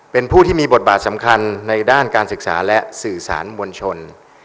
เป็นผู้ที่มีบทบาทสำคัญในด้านการศึกษาและสื่อสารมวลชน